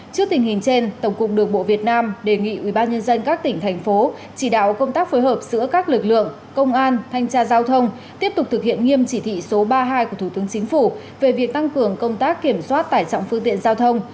trước tình hình trên tổng cục đường bộ việt nam đề nghị ubnd các tỉnh thành phố chỉ đạo công tác phối hợp giữa các lực lượng công an thanh tra giao thông tiếp tục thực hiện nghiêm chỉ thị số ba mươi hai của thủ tướng chính phủ về việc tăng cường công tác kiểm soát tải trọng phương tiện giao thông